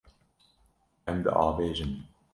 Em diavêjin.